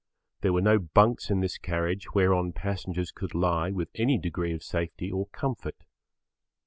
There were no bunks in this carriage whereon passengers could lie with any degree of safety or comfort.